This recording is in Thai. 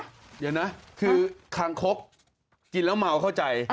เดี๋ยวนะคือคางคกกินแล้วเมาเข้าใจ